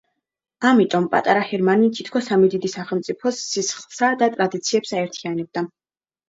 ამიტომ პატარა ჰერმანი თითქოს სამი დიდი სახელმწიფოს სისხლსა და ტრადიციებს აერთიანებდა.